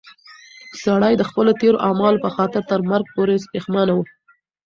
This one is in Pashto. سړی د خپلو تېرو اعمالو په خاطر تر مرګ پورې پښېمانه و.